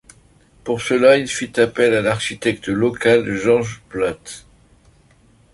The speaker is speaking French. Pour cela, il fit appel à l’architecte local George Platt.